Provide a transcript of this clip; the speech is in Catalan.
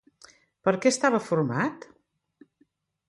Per què estava format?